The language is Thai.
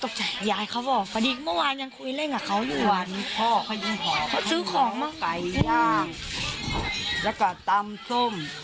ไก่ย่างแล้วก็ตำส้ม